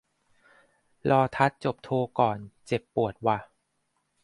รอทัดจบโทก่อน เจ็บปวดว่ะ